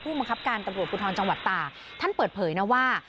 ผู้มังคับการตรวจบุธรจังหวัดตาท่านเปิดเผยนะว่า